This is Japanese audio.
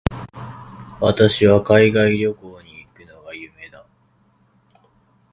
私は海外旅行に行くのが夢だ。